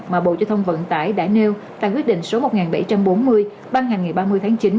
mà bộ giao thông vận tải đã nêu tại quyết định số một nghìn bảy trăm bốn mươi ban hành ngày ba mươi tháng chín